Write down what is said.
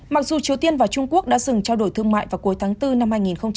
mặc dù triều tiên và trung quốc đã dừng trao đổi thương mại vào cuối tháng bốn năm hai nghìn hai mươi